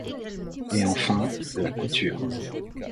Et enfin La Couture.